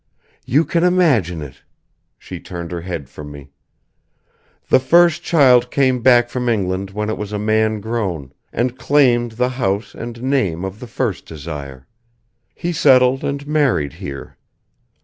"You can imagine it." She turned her head from me. "The first child came back from England when it was a man grown, and claimed the house and name of the first Desire. He settled and married here.